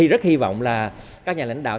rất hy vọng là các nhà lãnh đạo